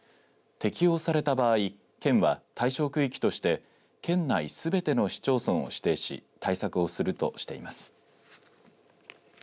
適用された場合県は対象区域として県内すべての市町村を指定し対策をするとしています。